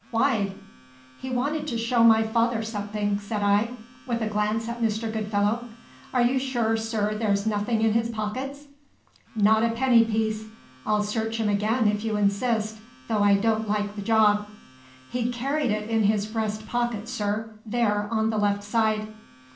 Why?" "He wanted to show my father something," said I, with a glance at Mr. Goodfellow. "Are you sure, sir, there's nothing in his pockets?" "Not a penny piece. I'll search 'em again if you insist, though I don't like the job." "He carried it in his breast pocket, sir; there, on the left side."